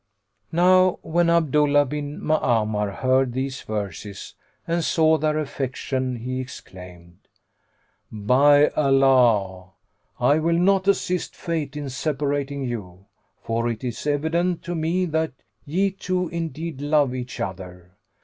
Now when Abdullah bin Ma'amar heard these verses and saw their affection, he exclaimed, "By Allah, I will not assist fate in separating you; for it is evident to me that ye two indeed love each other.